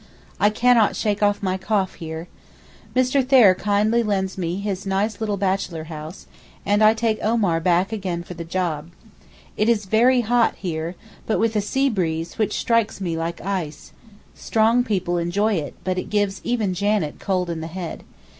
I cannot shake off my cough here. Mr. Thayer kindly lends me his nice little bachelor house, and I take Omar back again for the job. It is very hot here, but with a sea breeze which strikes me like ice; strong people enjoy it, but it gives even Janet cold in the head.